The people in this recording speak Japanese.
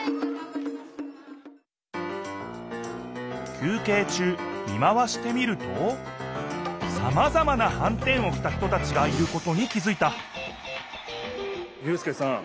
休けい中見回してみるとさまざまなはんてんをきた人たちがいることに気づいた祐輔さん